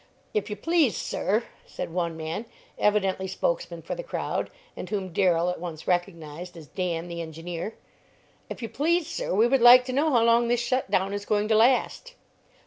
"If you please, sir," said one man, evidently spokesman for the crowd, and whom Darrell at once recognized as Dan, the engineer, "if you please, sir, we would like to know how long this shut down is going to last."